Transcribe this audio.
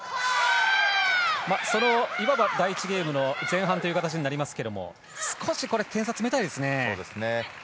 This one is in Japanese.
そのいわば第１ゲームの前半という形になりますが少し、点差を詰めたいですね。